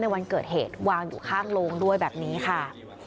วันเกิดเหตุวางอยู่ข้างโรงด้วยแบบนี้ค่ะ